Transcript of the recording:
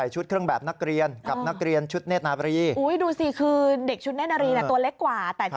ใช่ค่ะค่ะ